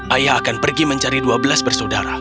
ayah akan pergi mencari dua belas bersaudara